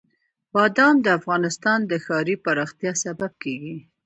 بادام د افغانستان د ښاري پراختیا سبب کېږي.